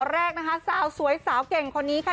วันแรกนะครับเซ้าสวยสาวเก่งคนนี้ค่ะ